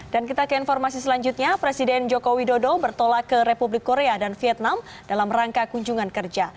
dan kita ke informasi selanjutnya presiden jokowi dodo bertolak ke republik korea dan vietnam dalam rangka kunjungan kerja